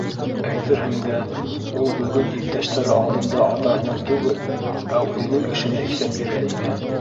Әйтерһең дә, ул бөгөн иптәштәре алдында атаһының түгел, ә үҙенең эшенә иҫәп бирә ине.